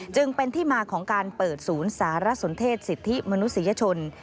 จึงเป็นที่มาของการเปิดศูนย์สารสนเทศสิทธิมนุษยชน